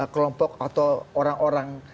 kelompok atau orang orang